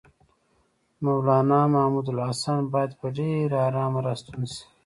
مولنا محمودالحسن باید په ډېره آرامه راستون شي.